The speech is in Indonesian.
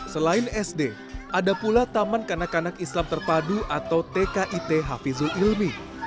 selain sd ada pula taman kanak kanak islam terpadu atau tkit hafizul ilmi